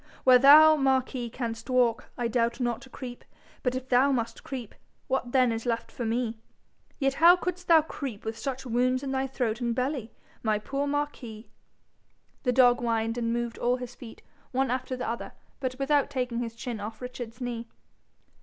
'Where thou, Marquis, canst walk, I doubt not to creep; but if thou must creep, what then is left for me? Yet how couldst thou creep with such wounds in thy throat and belly, my poor Marquis?' The dog whined, and moved all his feet, one after the other, but without taking his chin off Richard's knee.